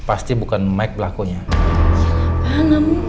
aku mau kerahin torpon